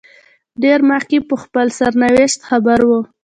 ډېر مخکې په خپل سرنوشت خبر وو.